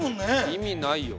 意味ないよ。